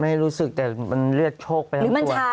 ไม่รู้สึกแต่มันเลือดโชคไปทั้งตัว